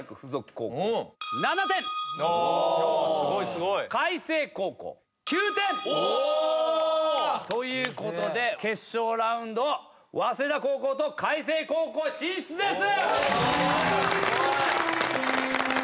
さあ各高校結果は。ということで決勝ラウンド早稲田高校と開成高校進出です！